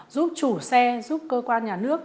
giúp chủ xe giúp cơ quan nhà nước